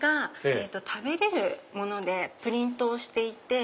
食べれるものでプリントしていて。